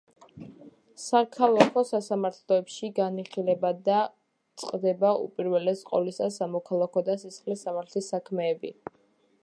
საქალაქო სასამართლოებში განიხილება და წყდება უპირველეს ყოვლისა სამოქალაქო და სისხლის სამართლის საქმეები.